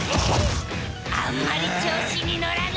あんまり調子にのらないで。